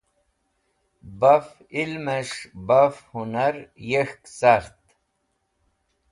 Baf ilmẽs̃h baf hũnar yek̃hk cart.